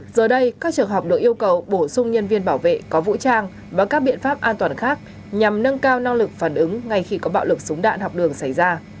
giờ đây các trường học được yêu cầu bổ sung nhân viên bảo vệ có vũ trang và các biện pháp an toàn khác nhằm nâng cao năng lực phản ứng ngay khi có bạo lực súng đạn học đường xảy ra